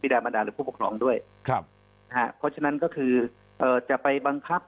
พบหรือผู้ปกรองด้วยครับเพราะฉะนั้นก็คือจะไปบังคับ